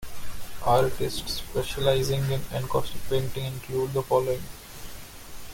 Artists specializing in encaustic painting include the following.